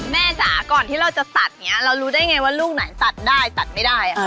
จ๋าก่อนที่เราจะตัดอย่างนี้เรารู้ได้ไงว่าลูกไหนตัดได้ตัดไม่ได้